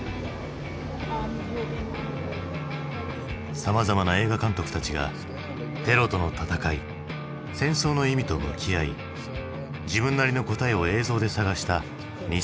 さまざまな映画監督たちがテロとの戦い戦争の意味と向き合い自分なりの答えを映像で探した２０００年代。